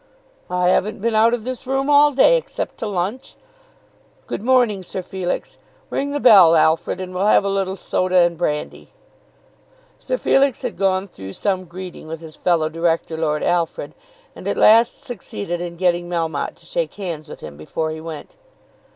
"I haven't been out of this room all day, except to lunch. Good morning, Sir Felix. Ring the bell, Alfred, and we'll have a little soda and brandy." Sir Felix had gone through some greeting with his fellow Director, Lord Alfred, and at last succeeded in getting Melmotte to shake hands with him before he went.